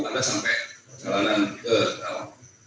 ada sampai perjalanan ke jawa